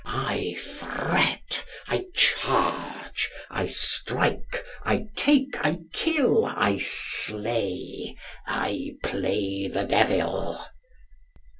I fret, I charge, I strike, I take, I kill, I slay, I play the devil.